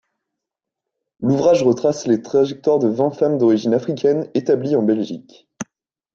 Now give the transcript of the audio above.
L'ouvrage retrace les trajectoires de vingt femmes d'origine africaine établies en Belgique.